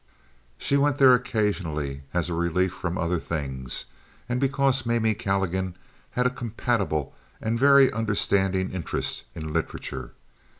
She went there occasionally as a relief from other things, and because Mamie Calligan had a compatible and very understanding interest in literature.